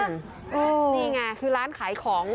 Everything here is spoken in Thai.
นี่ไงคือร้านขายของ